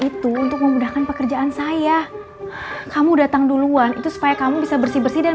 itu untuk memudahkan pekerjaan saya kamu datang duluan itu supaya kamu bisa bersih bersih dan